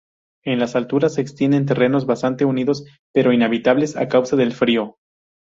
En las alturas se extienden terrenos bastante unidos, pero inhabitables a causa del frío.